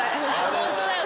ホントだよ。